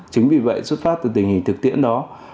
chính vì vậy xuất phát từ tình hình thực tiễn đó